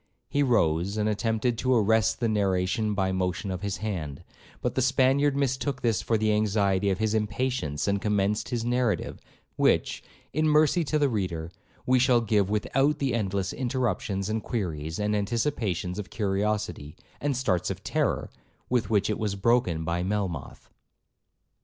He rose, and attempted to arrest the narration by a motion of his hand; but the Spaniard mistook this for the anxiety of his impatience, and commenced his narrative, which, in mercy to the reader, we shall give without the endless interruptions, and queries, and anticipations of curiosity, and starts of terror, with which it was broken by Melmoth.